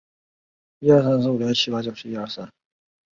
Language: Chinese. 他一生大多数时间在罗马的罗马学院任教和做研究工作。